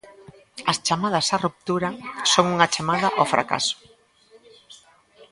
As chamadas á ruptura son unha chamada ao fracaso.